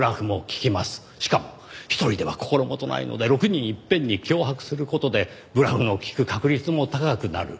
しかも１人では心もとないので６人いっぺんに脅迫する事でブラフの利く確率も高くなる。